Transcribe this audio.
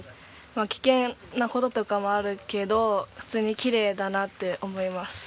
危険な事とかもあるけど普通にきれいだなって思います。